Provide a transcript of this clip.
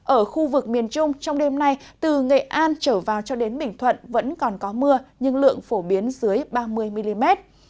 ở khu vực miền trung trong đêm nay từ nghệ an trở vào cho đến bình thuận vẫn còn có mưa nhưng lượng phổ biến dưới ba mươi mm